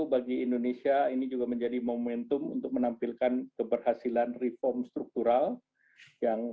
bagi indonesia ini juga menjadi momentum untuk menampilkan keberhasilan reform struktural yang